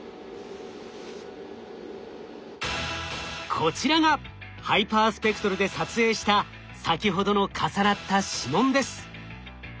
こちらがハイパースペクトルで撮影した先ほどの重なった指紋です。